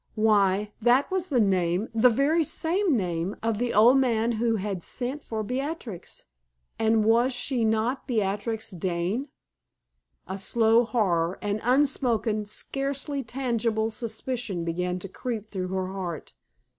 Why, that was the name the very same name of the old man who had sent for Beatrix; and was she not Beatrix Dane? A slow horror, an unspoken, scarcely tangible suspicion began to creep through her heart.